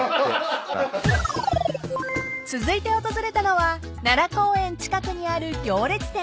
［続いて訪れたのは奈良公園近くにある行列店］